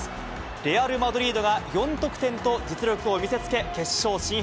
レアル・マドリードが４得点と、実力を見せつけ、決勝進出。